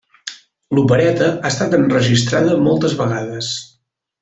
L'opereta ha estat enregistrada moltes vegades.